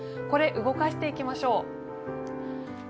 これ、動かしていきましょう。